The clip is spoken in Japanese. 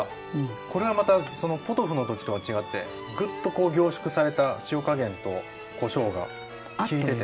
これはまたそのポトフの時とは違ってグッとこう凝縮された塩加減とこしょうが利いてて。